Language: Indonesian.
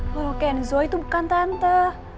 loh kenzo itu bukan tante